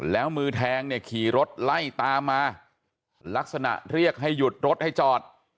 แล้วมือแทงเนี่ยขี่รถไล่ตามมาลักษณะเรียกให้หยุดรถให้จอด